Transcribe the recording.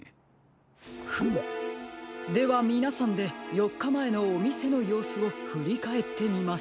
フムではみなさんでよっかまえのおみせのようすをふりかえってみましょう。